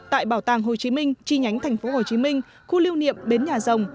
tại bảo tàng hồ chí minh chi nhánh thành phố hồ chí minh khu lưu niệm bến nhà rồng